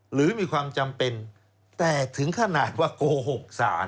หรือมีความจำเป็นแต่ถึงขนาดว่าโกหกศาล